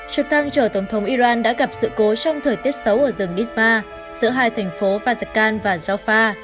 trực thăng chở tổng thống iran đã gặp sự cố trong thời tiết xấu ở rừng nizba giữa hai thành phố fazekan và jaffa